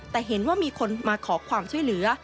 แต่เห็นว่ามีคนมาขอความช่วยเหลือ